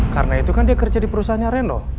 karena itu kan dia kerja di perusahaan reno